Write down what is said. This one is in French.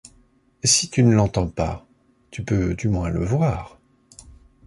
Si tu ne l’entends pas, tu peux du moins le voir